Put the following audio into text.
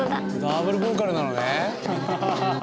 ダブルボーカルなのね。